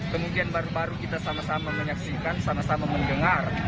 kemudian baru baru kita sama sama menyaksikan sama sama mendengar